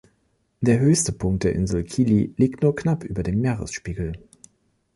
Der höchste Punkt der Insel Kili liegt nur knapp über dem Meeresspiegel.